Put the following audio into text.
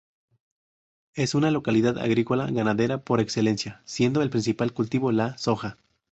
Es una localidad agrícola ganadera por excelencia, siendo el principal cultivo la soja.